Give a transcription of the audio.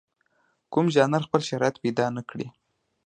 کوم ژانر خپل شرایط پیدا نکړي.